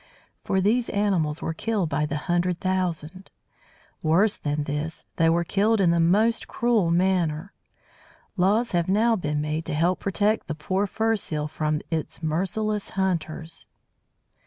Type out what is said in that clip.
For these animals were killed by the hundred thousand. Worse than this, they were killed in the most cruel manner. Laws have now been made to help protect the poor fur Seal from its merciless hunters.